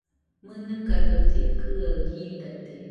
¿Mɨnɨkado llɨkɨaɨ jitate?